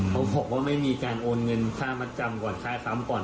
เขาบอกว่าไม่มีการโอนเงินค่ามัดจำก่อนค่าซ้ำก่อน